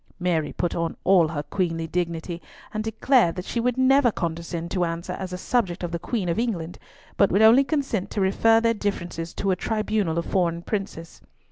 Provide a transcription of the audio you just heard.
Mary put on all her queenly dignity, and declared that she would never condescend to answer as a subject of the Queen of England, but would only consent to refer their differences to a tribunal of foreign princes.